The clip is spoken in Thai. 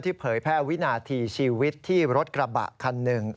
เผยแพร่วินาทีชีวิตที่รถกระบะคันหนึ่ง